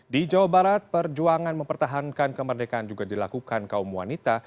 di jawa barat perjuangan mempertahankan kemerdekaan juga dilakukan kaum wanita